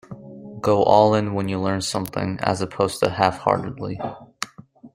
Go all in when you learn something, as opposed to half-heartedly.